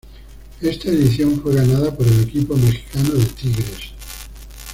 Esta edición fue ganada por el equipo mexicano de Tigres.